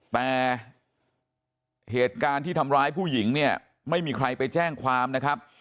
แต่เหตุการณ์ที่ทำร้ายผู้หญิงเนี่ยไม่มีใครไปแจ้งความนะครับ